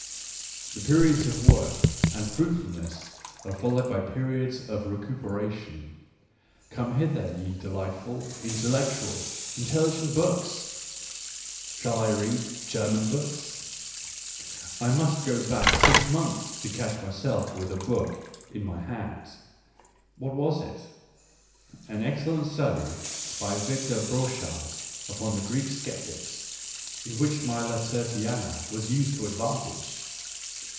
... The periods of work and fruit fulness are followed by periods of recuperation : come hither, ye delightful, intellectual, intelligent books ! Shall I read German books ?... I must go back six months to catch myself with a book in Digitized by Google WHY I AM SO CLEVER 37 my hand. What was it ? An excellent study by * Victor Brochard upon the Greek sceptics, in which my Laertiana* was used to advantage.